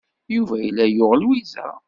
Yuba yella yuɣ Lwiza.